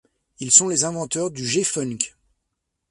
Ils sont les inventeurs du G-funk.